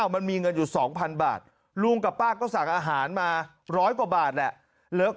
มันมีเงินอยู่๒๐๐๐บาทลุงกับป้าก็สั่งอาหารมา๑๐๐กว่าบาทแหละ